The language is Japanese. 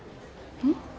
うん？